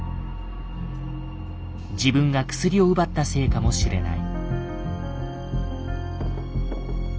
自分が薬を奪ったせいかもしれない。